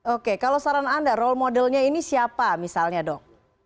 oke kalau saran anda role modelnya ini siapa misalnya dok